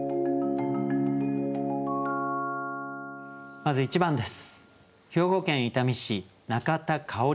まず１番です。